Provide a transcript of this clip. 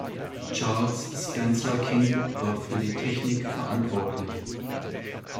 Charles Spencer King war für die Technik verantwortlich.